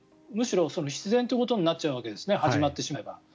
むしろ必然ということになってしまうわけですね始まってしまえば。